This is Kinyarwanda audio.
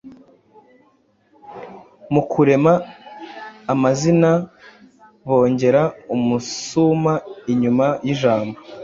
Mu Kurema amazina bongera umusuma inyuma y’ijambo,